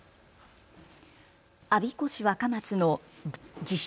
我孫子市若松の自称